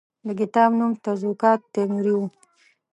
د کتاب نوم تزوکات تیموري وو.